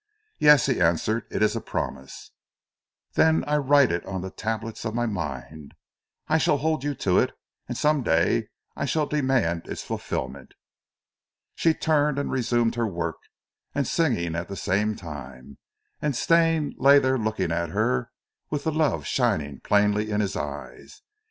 "Yes," he answered, "it is a promise." "Then I write it on the tablets of my mind. I shall hold you to it, and some day I shall demand its fulfilment." She turned and resumed her work and singing at the same time, and Stane lay there looking at her with the love shining plainly in his eyes.